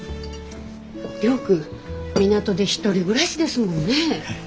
亮君港で１人暮らしですもんね？